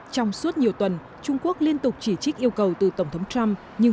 trong suốt nhiều tuần trung quốc liên tục chỉ trích yêu cầu từ tổng thống trump nhưng